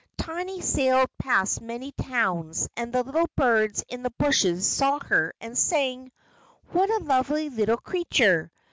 Tiny sailed past many towns, and the little birds in the bushes saw her, and sang: "What a lovely little creature!"